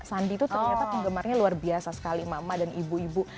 sandi itu ternyata penggemarnya luar biasa sekali emak emak dan ibu ibu